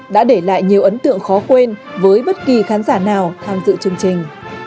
đã để lại nhiều ấn tượng khó quên với bất kỳ khán giả nào tham dự chương trình